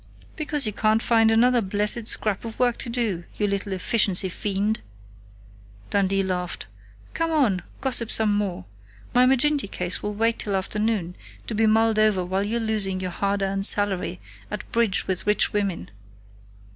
"Because you can't find another blessed scrap of work to do, you little efficiency fiend," Dundee laughed, "Come on! Gossip some more. My Maginty case will wait till afternoon, to be mulled over while you're losing your hard earned salary at bridge with rich women."